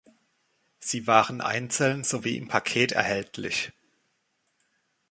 Sie waren einzeln sowie im Paket erhältlich.